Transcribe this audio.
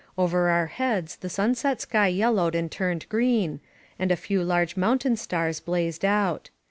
Over our heads the sunset sky yellowed and turned green, and a few large mountain stars blazed out.